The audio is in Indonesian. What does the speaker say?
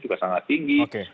juga sangat tinggi